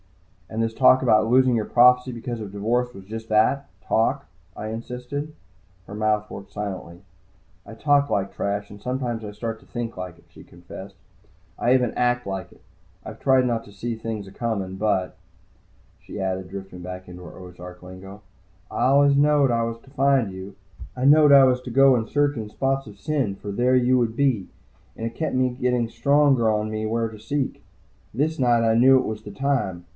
"And this talk about losing your prophecy because of divorce was just that, talk?" I insisted. Her mouth worked silently. "I talk like trash, and sometimes I start to think like it," she confessed. "I even act like it. I've tried not to see things acomin'. But," she added, drifting back into her Ozark lingo. "Always I knowed I was to find you. I knowed I was to go and search in spots of sin, for there you would be. And it kept getting stronger on me where to seek. This night I knew it was the time.